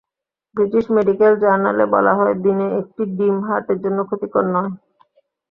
British medical জার্নালে বলা হয়, দিনে একটি ডিম হার্টের জন্য ক্ষতিকর নয়।